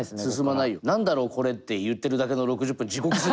「なんだろうこれ」って言ってるだけの６０分地獄すぎるから。